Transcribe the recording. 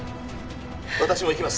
☎私も行きます